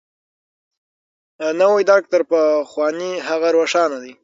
نوی درک تر پخواني هغه روښانه دی.